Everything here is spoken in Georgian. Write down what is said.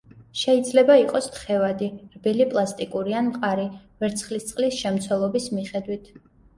შეიძლება იყოს თხევადი, რბილი პლასტიკური ან მყარი, ვერცხლისწყლის შემცველობის მიხედვით.